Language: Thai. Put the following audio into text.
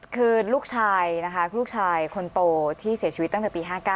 คือลูกชายนะคะลูกชายคนโตที่เสียชีวิตตั้งแต่ปี๕๙